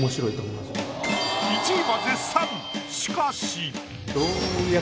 しかし。